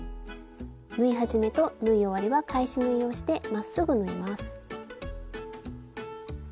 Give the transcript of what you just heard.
縫い始めと縫い終わりは返し縫いをしてまっすぐ縫います。